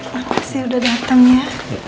makasih udah datang ya